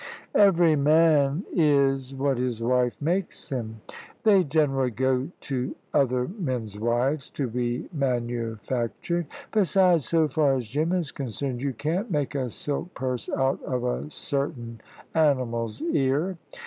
"Every man is what his wife makes him." "They generally go to other men's wives to be manufactured. Besides, so far as Jim is concerned, you can't make a silk purse out of a certain animal's ear."